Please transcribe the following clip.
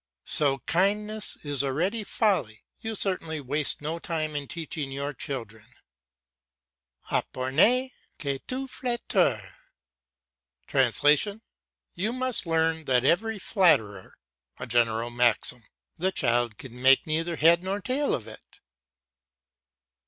So kindness is already folly. You certainly waste no time in teaching your children. "Apprenez que tout flatteur" ("You must learn that every flatterer"). A general maxim. The child can make neither head nor tail of it.